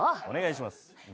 お願いします。